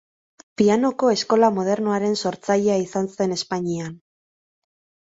Pianoko eskola modernoaren sortzailea izan zen Espainian.